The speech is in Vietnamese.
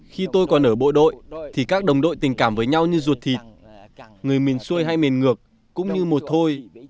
khi tôi còn ở bộ đội thì các đồng đội tình cảm với nhau như ruột thịt người miền xuôi hay miền ngược cũng như một thôi